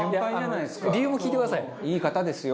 いい方ですよ。